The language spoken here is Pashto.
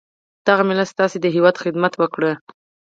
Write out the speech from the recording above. دغه ملت ستاسي د هیواد خدمت وکړو.